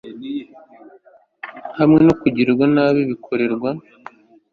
hamwe no kugirirwa nabi bikorerwa